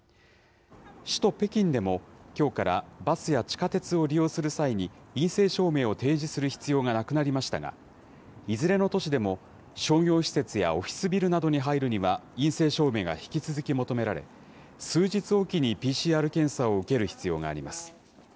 首都北京でもきょうからバスや地下鉄を利用する際に、陰性証明を提示する必要がなくなりましたが、いずれの都市でも、商業施設やオフィスビルなどに入るには、陰性証明が引き続き求められ、数日置きにＰＣＲ検査を受ける必要があります。